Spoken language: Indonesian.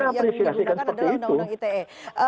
adalah undang undang ite